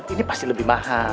ini pasti lebih mahal